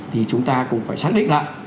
thì chúng ta cũng phải xác định lại